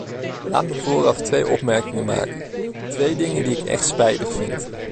Laat me vooraf twee opmerkingen maken, twee dingen die ik echt spijtig vind.